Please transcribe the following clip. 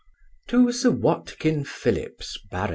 To Sir WATKIN PHILLIPS, Bart.